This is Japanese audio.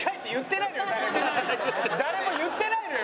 誰も言ってないのよ